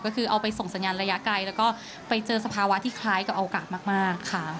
ก็คือเอาไปส่งสัญญาณระยะไกลแล้วก็ไปเจอสภาวะที่คล้ายกับโอกาสมากค่ะ